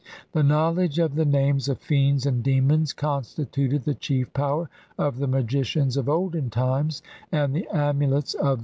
The knowledge of the names of fiends and demons constituted the chief power of the magicians of olden times, and the amulets of CLXVI INTRODUCTION.